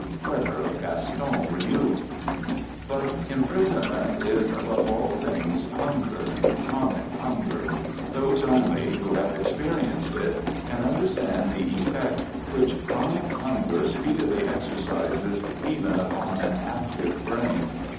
{Letter of Gaston Riou) »... But imprisonment is above all things hun /ger, chronic hunger. Those only who have experi ; enced it can understand the effect which chronic hunger speedily exercises even upon an active brain.